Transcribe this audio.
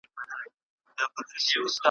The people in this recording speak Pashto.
حاسد انسان د وخت غوښتني نسي درک کولای.